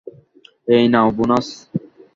এই নাও বোনাস।